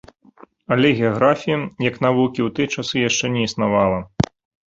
Але геаграфіі, як навукі, у тыя часы яшчэ не існавала.